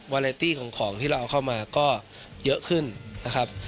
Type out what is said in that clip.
วาเลตี้ของของที่เราเอาเข้ามาก็เยอะขึ้นนะครับ